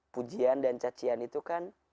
pujian dan cacian itu kan